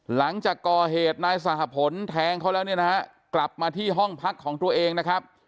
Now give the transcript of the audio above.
หลังจากก่อเหตุนายสหพลแทงเขาแล้วเนี่ยนะฮะกลับมาที่ห้องพักของตัวเองนะครับ